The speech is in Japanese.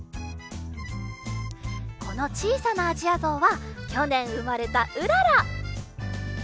このちいさなアジアゾウはきょねんうまれたうらら！